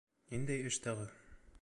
Ниндәй эш тағы?